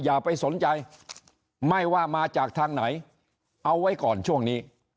อย่าไปสนใจไม่ว่ามาจากทางไหนเอาไว้ก่อนช่วงนี้